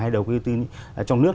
hay đầu tư trong nước